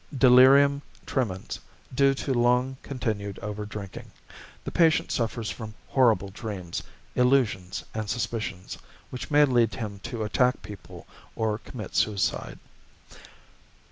Delirium Tremens, due to long continued over drinking. The patient suffers from horrible dreams, illusions, and suspicions, which may lead him to attack people or commit suicide.